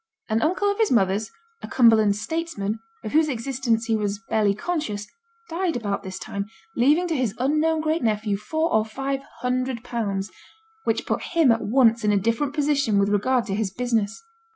An uncle of his mother's, a Cumberland 'statesman', of whose existence he was barely conscious, died about this time, leaving to his unknown great nephew four or five hundred pounds, which put him at once in a different position with regard to his business.